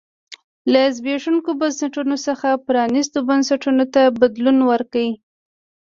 له زبېښونکو بنسټونو څخه پرانیستو بنسټونو ته بدلون وکړي.